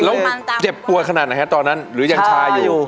แล้วเจ็บปวดขนาดไหนฮะตอนนั้นหรือยังชายอยู่